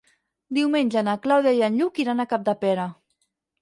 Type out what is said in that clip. Diumenge na Clàudia i en Lluc iran a Capdepera.